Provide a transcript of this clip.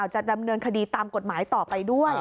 จะดำเนินคดีตามกฎหมายต่อไปด้วย